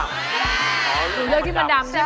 เลือกที่มันดำใช่ไหม